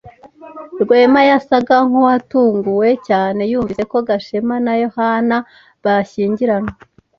Rwema yasaga nkuwatunguwe cyane yumvise ko Gashema na Yohana bashyingiranywe.